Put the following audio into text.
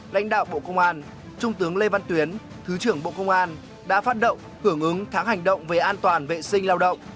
lãnh đạo bộ công an trung tướng lê văn tuyến thứ trưởng bộ công an đã phát động hưởng ứng tháng hành động về an toàn vệ sinh lao động